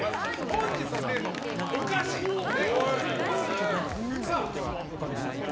本日のテーマもお菓子になります。